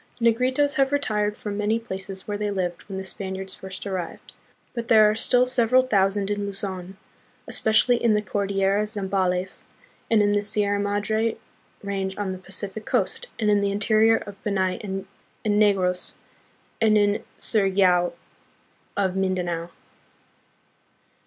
The Negritos have retired from many places where they lived when the Spaniards first arrived, but there are still several thousand in Luzon, especially in the Cordillera Zambales, and in the Sierra Madre range on the Pacific coast, and in the interior of Panay and Negros, and in Surigao of Mindanao.